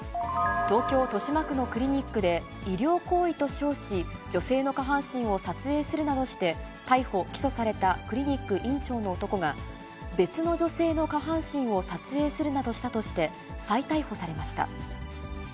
東京・豊島区のクリニックで、医療行為と称し、女性の下半身を撮影するなどして、逮捕・起訴されたクリニック院長の男が、別の女性の下半身を撮影するなどしたとして、再逮捕されました。